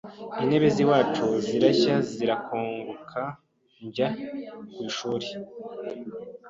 intebe z’iwacu zirashya zirakongokanjya ku ishuri